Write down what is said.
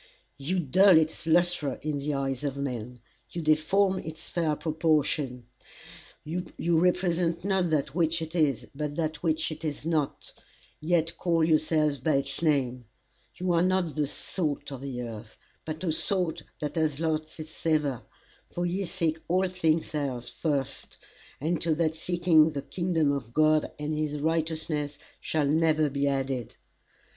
You dull its lustre in the eyes of men; you deform its fair proportions; you represent not that which it is, but that which it is not, yet call yourselves by its name; you are not the salt of the earth, but a salt that has lost its savour, for ye seek all things else first, and to that seeking the kingdom of God and his righteousness shall never be added.